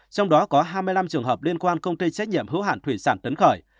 trong đó có hai mươi năm trường hợp liên quan công ty trách nhiệm hữu hạn thủy sản tấn khởi